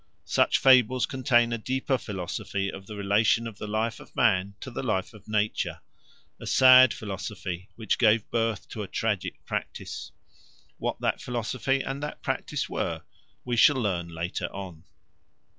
Such fables contain a deeper philosophy of the relation of the life of man to the life of nature a sad philosophy which gave birth to a tragic practice. What that philosophy and that practice were, we shall learn later on.